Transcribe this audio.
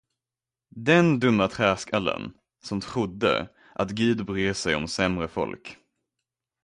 Den dumma träskallen, som trodde, att Gud bryr sig om sämre folk.